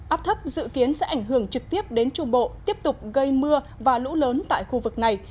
áp thấp dự kiến sẽ ảnh hưởng trực tiếp đến trung bộ tiếp tục gây mưa và lũ lớn tại khu vực này